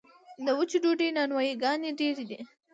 د وچې ډوډۍ نانوایي ګانې ډیرې دي